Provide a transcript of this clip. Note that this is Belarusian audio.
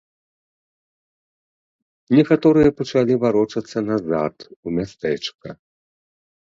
Некаторыя пачалі варочацца назад у мястэчка.